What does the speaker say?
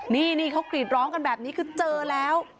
นี่เขากรีดร้องกันแบบนี้คือเจอแล้ว